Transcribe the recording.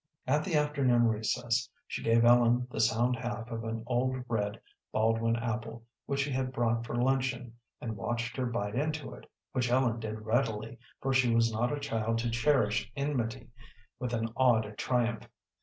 At the afternoon recess she gave Ellen the sound half of an old red Baldwin apple which she had brought for luncheon, and watched her bite into it, which Ellen did readily, for she was not a child to cherish enmity, with an odd triumph.